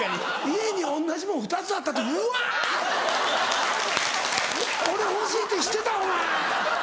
家に同じもの２つあった時「うわ！俺欲しいって知ってた？お前」。